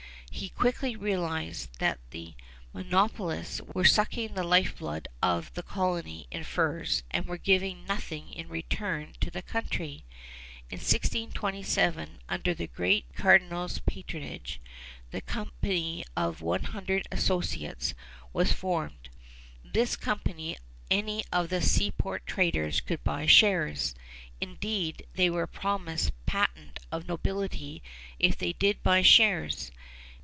He quickly realized that the monopolists were sucking the lifeblood of the colony in furs and were giving nothing in return to the country. In 1627, under the great cardinal's patronage, the Company of One Hundred Associates was formed. In this company any of the seaport traders could buy shares. Indeed, they were promised patent of nobility if they did buy shares.